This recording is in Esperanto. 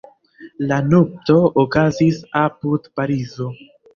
La nupto okazis apud Parizo.